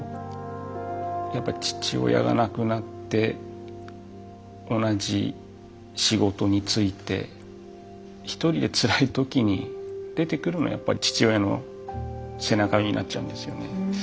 やっぱり父親が亡くなって同じ仕事に就いて一人でつらいときに出てくるのはやっぱり父親の背中になっちゃうんですよね。